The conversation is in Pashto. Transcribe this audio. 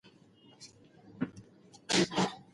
دا حديث امام منذري رحمه الله په الترغيب والترهيب کي راوړی .